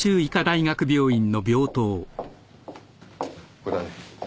ここだね。